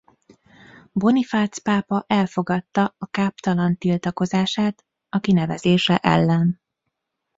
Bonifác pápa elfogadta a káptalan tiltakozását a kinevezése ellen.